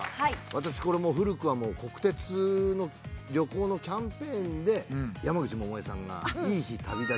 私これもう古くは国鉄の旅行のキャンペーンで山口百恵さんが『いい日旅立ち』をね。